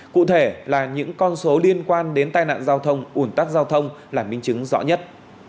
cụ thể là những con số liên quan đến tai nạn giao thông ủn tắc giao thông là minh chứng rõ nhất